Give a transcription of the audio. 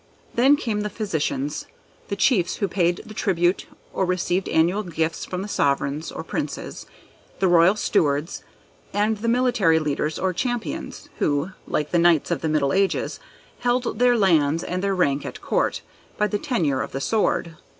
Then came the Physicians; the Chiefs who paid tribute or received annual gifts from the Sovereigns, or Princes; the royal stewards; and the military leaders or Champions, who, like the knights of the middle ages, held their lands and their rank at court, by the tenure of the sword.